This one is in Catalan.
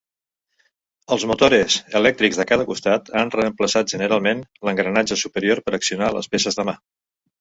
Els motores elèctrics de cada costat han reemplaçat generalment l'engranatge superior per accionar les peces de mà.